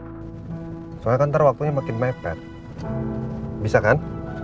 iya sekarang soalnya ntar waktunya makin mepet bisa kan